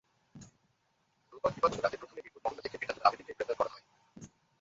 রোববার দিবাগত রাতে প্রথমে বীরপুর মহল্লা থেকে মিনহাজুল আবেদীনকে গ্রেপ্তার করা হয়।